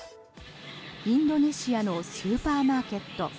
インドネシアのスーパーマーケット。